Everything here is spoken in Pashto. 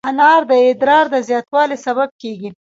انار د ادرار د زیاتوالي سبب کېږي.